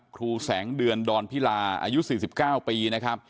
ครูแสงเดือนดอนพิลาอายุ๔๙ปีนะครับ